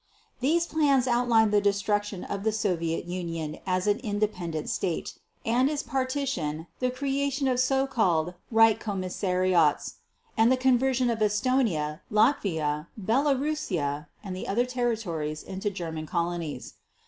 These plans outlined the destruction of the Soviet Union as an independent State, and its partition, the creation of so called Reich Commissariats, and the conversion of Estonia, Latvia, Bielorussia, and other territories into German colonies.